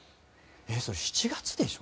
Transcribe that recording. それ７月でしょ？